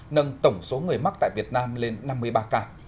nâng tổng số người mắc tại việt nam lên năm mươi ba ca